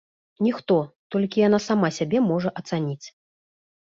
Ніхто, толькі яна сама сябе можа ацаніць.